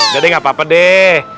jadi nggak apa apa deh